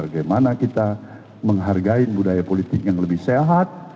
bagaimana kita menghargai budaya politik yang lebih sehat